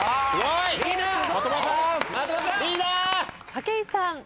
武井さん。